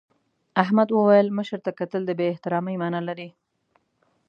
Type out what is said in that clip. احمد وویل مشر ته کتل د بې احترامۍ مانا لري.